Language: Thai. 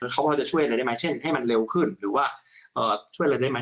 เขาก็จะช่วยอะไรได้ไหมเช่นให้มันเร็วขึ้นหรือว่าช่วยอะไรได้ไหม